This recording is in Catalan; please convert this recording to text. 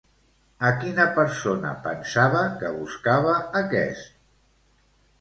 A quina persona pensava que buscava aquest?